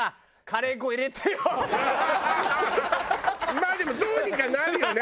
まあでもどうにかなるよね。